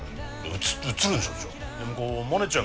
うつるでしょじゃあ。